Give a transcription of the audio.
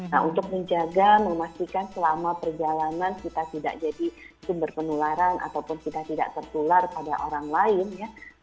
nah untuk menjaga memastikan selama perjalanan kita tidak jadi sumber penularan ataupun kita tidak tertular pada orang lain ya